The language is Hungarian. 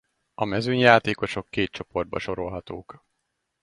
A mezőnyjátékosok két csoportba sorolhatók.